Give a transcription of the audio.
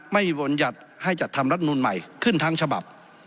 ไม่มีบัญญัติให้จัดทำรัฐนูนใหม่ขึ้นทั้งฉบับ